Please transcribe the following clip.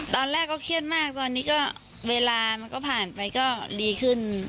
ตอนแรกก็เครียดมากตอนนี้ก็เวลามันก็ผ่านไปก็ดีขึ้น